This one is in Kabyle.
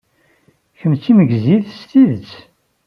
Kemm d timegzit s tidet!